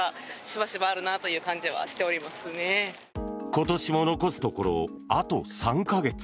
今年も残すところあと３か月。